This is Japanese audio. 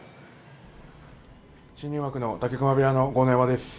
新入幕の武隈部屋の豪ノ山です。